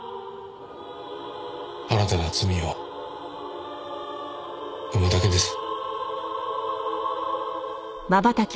新たな罪を生むだけです。